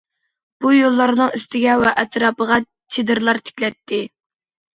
بۇ يوللارنىڭ ئۈستىگە ۋە ئەتراپىغا چېدىرلار تىكىلەتتى.